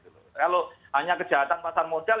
kalau hanya kejahatan pasar modal